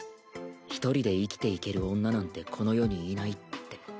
一人で生きていける女なんてこの世にいないって。